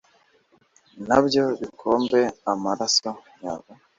nabyo bikombe amaraso yabo